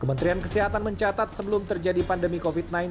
kementerian kesehatan mencatat sebelum terjadi pandemi covid sembilan belas